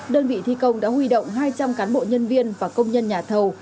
đơn vị thi công đã huy động hai trăm linh cán bộ nhân viên và công nhân nhà thầu